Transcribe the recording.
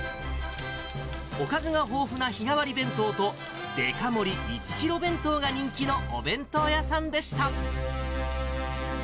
おかずが豊富な日替わり弁当と、デカ盛り１キロ弁当が人気のお弁当屋さんでした。